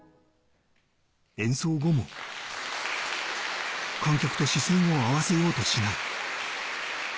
演奏後も観客と視線を合わせようとしない。